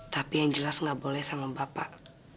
tapi yang jelas nggak boleh sama bapak